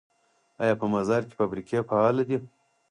آیا په مزار کې فابریکې فعالې دي؟